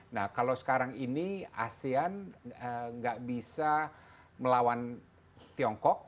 nah kalau sekarang ini asean nggak bisa melawan tiongkok